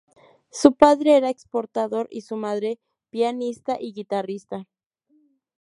Su padre era exportador y su madre pianista y guitarrista.